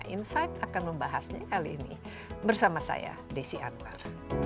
insight akan membahasnya kali ini bersama saya desi anwar